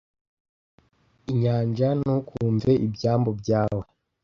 Inyanja, ntukumve ibyambu byawe